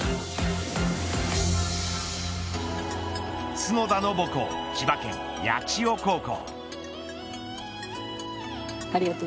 角田の母校千葉県八千代高校。